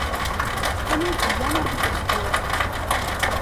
كم الأيام في الأسبوع ؟